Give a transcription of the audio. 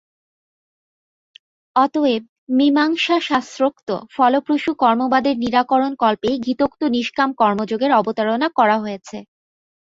অতএব মীমাংসাশাস্ত্রোক্ত ফলপ্রসূ কর্মবাদের নিরাকরণকল্পেই গীতোক্ত নিষ্কাম কর্মযোগের অবতারণা করা হয়েছে।